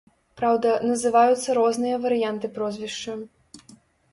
Праўда, называюцца розныя варыянты прозвішча.